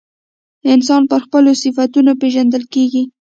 انسان پر خپلو صفتونو پیژندل کیږي.